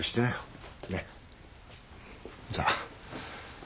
じゃあ。